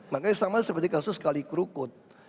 makanya sama seperti kasus kali kerukut